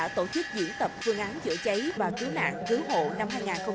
tổ chức diễn tập phương án chữa cháy và cứu nạn cứu hộ năm hai nghìn hai mươi bốn